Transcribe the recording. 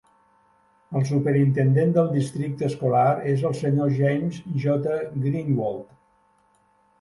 El superintendent del districte escolar és el senyor James J. Greenwald.